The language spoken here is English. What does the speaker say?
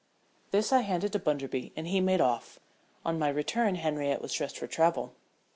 This I handed to Bunderby and he made off. On my return Henriette was dressed for travel.